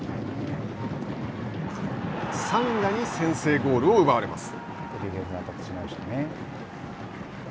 サンガに先制ゴールを奪われます。